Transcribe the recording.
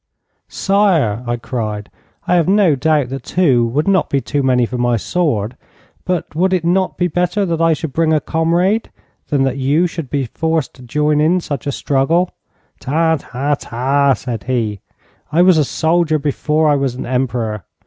'Sire,' I cried, 'I have no doubt that two would not be too many for my sword; but would it not be better that I should bring a comrade than that you should be forced to join in such a struggle?' 'Ta, ta, ta,' said he. 'I was a soldier before I was an Emperor.